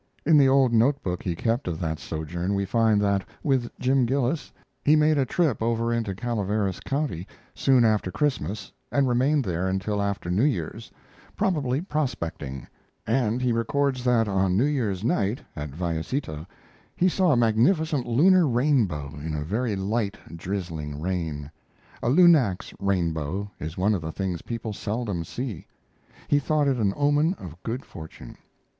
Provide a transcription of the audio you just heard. In the old note book he kept of that sojourn we find that, with Jim Gillis, he made a trip over into Calaveras County soon after Christmas and remained there until after New Year's, probably prospecting; and he records that on New Year's night, at Vallecito, he saw a magnificent lunar rainbow in a very light, drizzling rain. A lunax rainbow is one of the things people seldom see. He thought it an omen of good fortune.